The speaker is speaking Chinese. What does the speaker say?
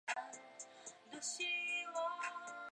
积分变数一般会布朗运动。